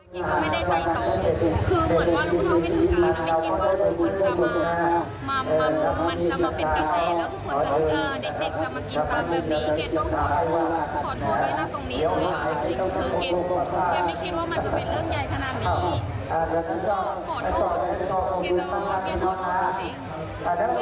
บางคนคิดว่าไม่คิดว่ามันจะเป็นตรงนี้แล้วก็ในแค่นี้แบบว่าแค่เมื่อกี้อยากจะกินไป